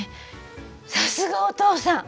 さすがお父さん！